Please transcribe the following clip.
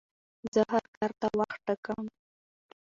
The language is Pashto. زه هر کار ته وخت ټاکم.